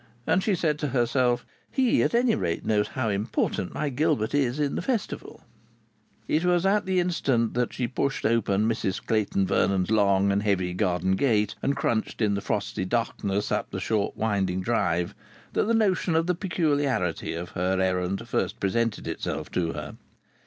And she said to herself: "He at any rate knows how important my Gilbert is in the Festival!" It was at the instant she pushed open Mrs Clayton Vernon's long and heavy garden gate, and crunched in the frosty darkness up the short winding drive, that the notion of the peculiarity of her errand first presented itself to her.